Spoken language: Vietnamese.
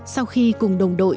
sau khi cùng đồng đội